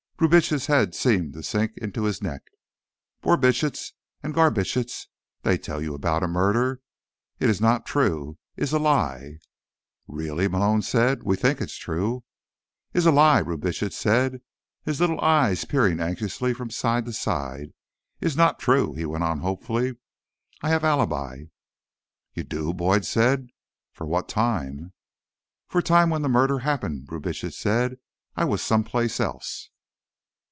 Brubitsch's head seemed to sink into his neck. "Borbitsch and Garbitsch, they tell you about a murder? It is not true. Is a lie." "Really?" Malone said. "We think it's true." "Is a lie," Brubitsch said, his little eyes peering anxiously from side to side. "Is not true," he went on hopefully. "I have alibi." "You do?" Boyd said. "For what time?" "For time when murder happened," Brubitsch said. "I was someplace else."